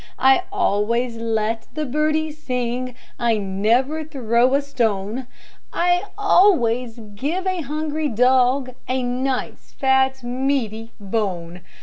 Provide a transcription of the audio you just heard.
"I always let the birdies sing, I never throw a stone, I always give a hungry dog A nice, fat, meaty bone.